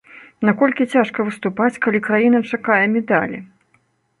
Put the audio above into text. Наколькі цяжка выступаць, калі краіна чакае медалі?